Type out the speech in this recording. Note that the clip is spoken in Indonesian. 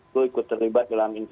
tuh ikut terlibat dalam investasi